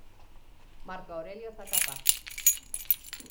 Marco Aurelio Zacapa.